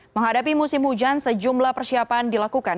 menghadapi musim hujan sejumlah persiapan dilakukan